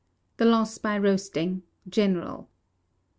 The Loss by Roasting (General).